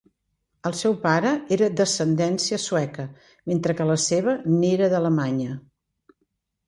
El seu pare era d'ascendència sueca, mentre que la seva n'era d'alemanya.